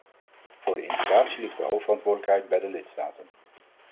Voor de integratie ligt de hoofdverantwoordelijkheid bij de lidstaten.